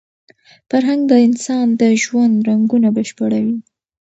فرهنګ د انسان د ژوند رنګونه بشپړوي.